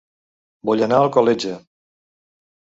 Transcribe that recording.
Vull anar a Alcoletge